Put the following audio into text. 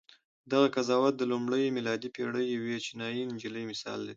دغه قضاوت د لومړۍ میلادي پېړۍ یوې چینایي نجلۍ مثال لري.